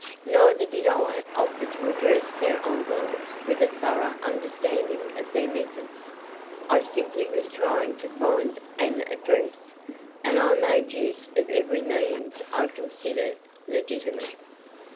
Neither did I offer to address their envelopes with a thorough understanding of their methods. I simply was trying to find an address, and I made use of every means I considered legitimate.